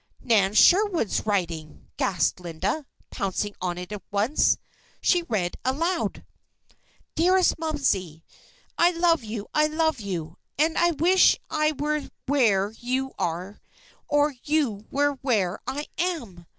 "Nan Sherwood's writing!" gasped Linda, pouncing on it at once. She read aloud: "Dearest Momsey: "I love you! love you! And I wish I were where you are, or you were where I am.